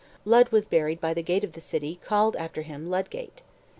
Lud was buried by the gate of the city called after him Ludgate.